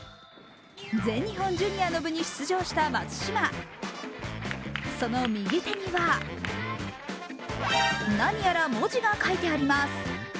全日本ジュニアの部に出場した松島、その右手には、何やら文字が書いてあります。